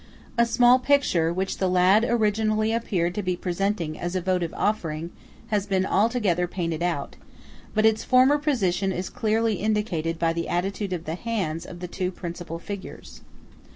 A small picture which the lad originally appeared to be presenting as a votive offering, has been altogether painted out; but its former position is clearly indicated by the attitude of the hands of the two principal figures.